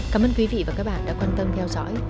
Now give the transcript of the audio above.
cảm ơn quý vị và các bạn đã quan tâm theo dõi